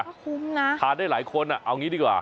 ก็คุ้มนะทานได้หลายคนเอางี้ดีกว่า